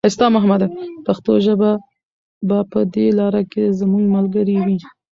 پښتو ژبه به په دې لاره کې زموږ ملګرې وي.